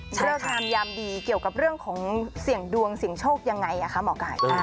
เลิกงามยามดีเกี่ยวกับเรื่องของเสี่ยงดวงเสี่ยงโชคยังไงคะหมอไก่